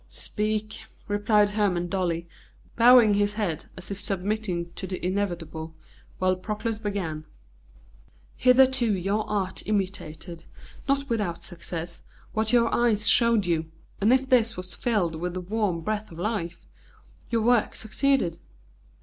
"Speak," replied Hermon dully, bowing his head as if submitting to the inevitable, while Proclus began: "Hitherto your art imitated, not without success, what your eyes showed you, and if this was filled with the warm breath of life, your work succeeded.